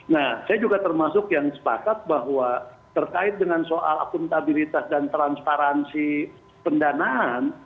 nah saya juga termasuk yang sepakat bahwa terkait dengan soal akuntabilitas dan transparansi pendanaan